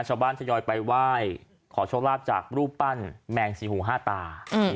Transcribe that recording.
ทยอยไปไหว้ขอโชคลาภจากรูปปั้นแมงสี่หูห้าตา